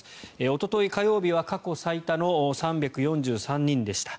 おととい火曜日は過去最多の３４３人でした。